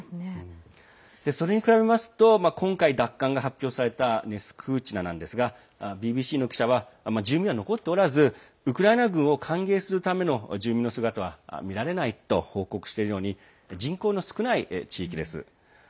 それに比べますと今回、奪還が発表されたネスクーチナなんですがＢＢＣの記者は住民は残っておらずウクライナ軍を歓迎するための住民の姿は見られないと報告しているように人口の少ない地域です。